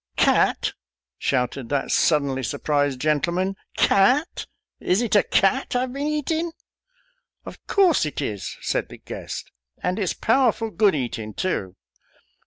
" "Cat?" shouted that suddenly surprised gen tleman ;" cat? Is it a cat I've been eatin' ?"" Of course it is," said the guest ;" and it's powerful good eatin' too."